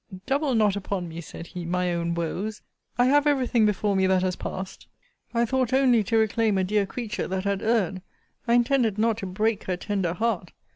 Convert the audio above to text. Double not upon me, said he, my own woes! I have every thing before me that has passed! I thought only to reclaim a dear creature that had erred! I intended not to break her tender heart!